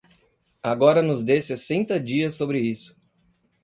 Agora nos dê sessenta dias sobre isso.